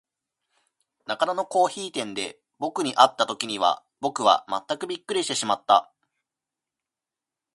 中野のコオヒイ店で、ぼくに会った時には、ぼくはまったくびっくりしてしまった。